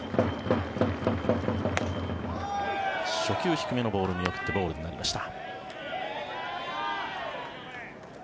初球、低めのボールを見送ってボールになりました。